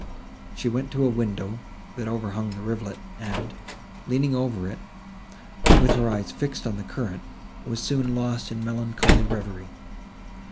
She went to a window, that overhung the rivulet, and, leaning over it, with her eyes fixed on the current, was soon lost in melancholy reverie.